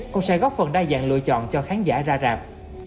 cũng sẽ góp phần đa dạng lựa chọn cho khán giả ra rạp